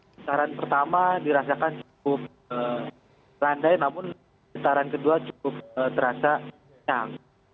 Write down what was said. keterangan pertama dirasakan cukup randai namun keterangan kedua cukup terasa jang